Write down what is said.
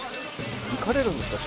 行かれるんですか？